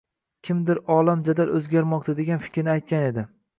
kimdir olam jadal oʻzgarmoqda, degan fikrni aytgan edi.